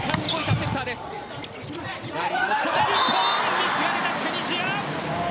ミスが出たチュニジア。